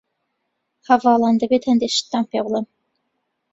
هەڤاڵان ، دەبێت هەندێ شتتان پێ بڵیم.